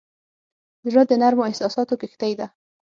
زړه د نرمو احساساتو کښتۍ ده.